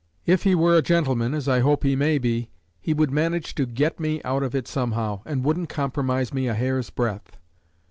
If he were a gentleman, as I hope he may be, he would manage to get me out of it somehow, and wouldn't compromise me a hair's breadth.